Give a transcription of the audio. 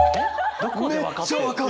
めっちゃ分かる！